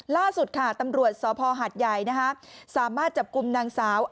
ล่าสุดค่ะตำรวจสภหัดใหญ่สามารถจับกลุ่มนางสาว